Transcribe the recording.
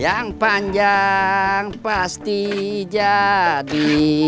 yang panjang pasti jadi